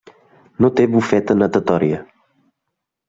No té bufeta natatòria.